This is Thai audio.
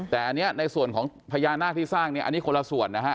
แต่อันนี้ในส่วนของพญานาคที่สร้างเนี่ยอันนี้คนละส่วนนะฮะ